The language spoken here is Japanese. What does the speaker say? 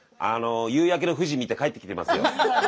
夕焼けの富士見て帰ってきてますよ。